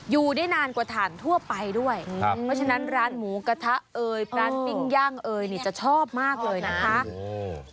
อยู่ได้นานกว่าถ่านทั่วไปด้วยเพราะฉะนั้นร้านหมูกระทะเอ่ยปลาปิ้งย่างเอยนี่จะชอบมากเลยนะคะ